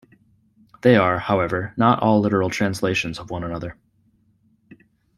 They are, however, not all literal translations of one another.